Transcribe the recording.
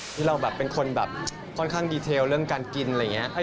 ที่เราแบบเป็นคนแบบค่อนข้างดีเทลเรื่องการกินอะไรอย่างนี้